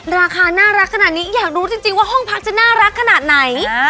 ราคาน่ารักขนาดนี้อยากรู้จริงว่าห้องพักจะน่ารักขนาดไหน